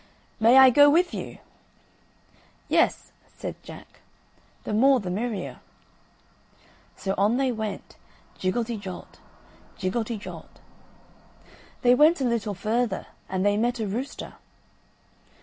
"May I go with you?" "Yes," said Jack, "the more the merrier." So on they went, jiggelty jolt, jiggelty jolt. They went a little further and they met a rooster.